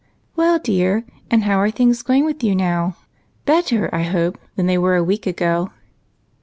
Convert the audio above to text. "Well, dear, and how are things going with you now? Better, I hope, than they were a w^eek ago."